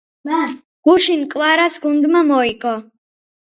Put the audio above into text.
გუშინ კვარას გუნდმა მოიგო